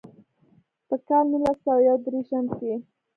پۀ کال نولس سوه يو ديرشم کښې